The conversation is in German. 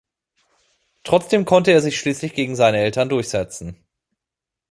Trotzdem konnte er sich schließlich gegen seine Eltern durchsetzen.